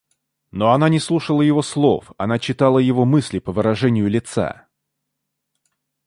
Но она не слушала его слов, она читала его мысли по выражению лица.